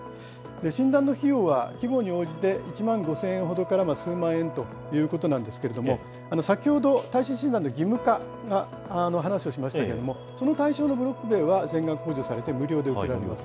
診断の費用は、規模に応じて１万５０００円ほどから、数万円ということなんですけれども、先ほど耐震診断の義務化の話をしましたけれども、この対象のブロック塀は、全額補助されて無料で受けられます。